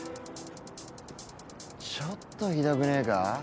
ちょっとひどくねえか？